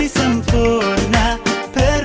eh mau gua par